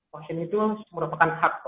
vaksin itu merupakan hak